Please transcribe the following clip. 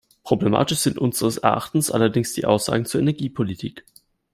Problematisch sind unseres Erachtens allerdings die Aussagen zur Energiepolitik.